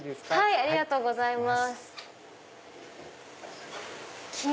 ありがとうございます。